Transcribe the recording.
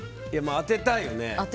当てたいよね。